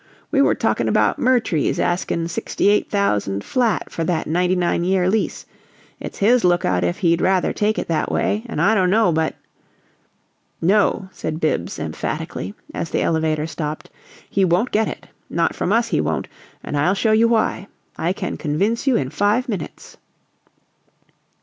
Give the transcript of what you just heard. We were talkin' about Murtrie's askin' sixty eight thousand flat for that ninety nine year lease. It's his lookout if he'd rather take it that way, and I don't know but " "No," said Bibbs, emphatically, as the elevator stopped; "he won't get it. Not from us, he won't, and I'll show you why. I can convince you in five minutes."